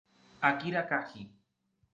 Akira Kaji